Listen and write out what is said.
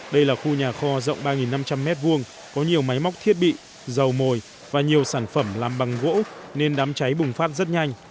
đây là khu nhà kho rộng ba năm trăm linh m hai có nhiều máy móc thiết bị dầu mồi và nhiều sản phẩm làm bằng gỗ nên đám cháy bùng phát rất nhanh